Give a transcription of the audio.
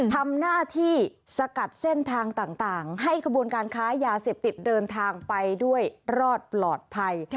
ทำหน้าที่สกัดเส้นทางต่างให้กระบวนการค้ายาเสพติดเดินทางไปด้วยรอดปลอดภัย